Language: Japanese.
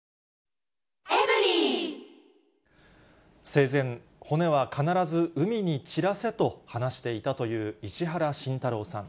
生前、骨は必ず海に散らせと話していたという石原慎太郎さん。